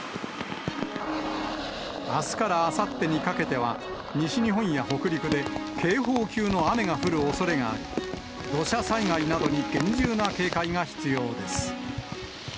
あすからあさってにかけては、西日本や北陸で、警報級の雨が降るおそれがあり、土砂災害などに厳重な警戒が必要です。